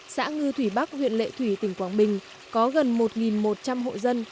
xã ngư thủy bắc huyện lệ thủy tỉnh quảng bình có gần một một trăm linh hộ dân